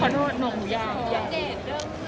ถือหนึ่งแล้ว